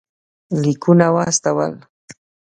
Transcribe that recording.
لیکونه واستول.